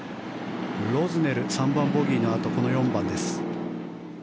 ロズネル、３番、ボギーのあとこの４番です。